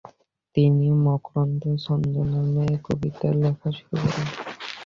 তিনি ‘মকরন্দ’ ছদ্মনামে কবিতা লেখা শুরু করেন।